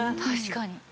確かに。